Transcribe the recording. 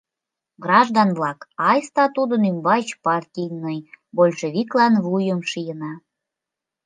Граждан-влак, айста тудын ӱмбач партийный большевиклан вуйым шийына!